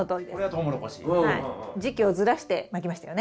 時期をずらしてまきましたよね。